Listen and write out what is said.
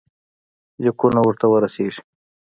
لیکونه ورته ورسیږي.